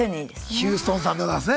ヒューストンさんでございますね。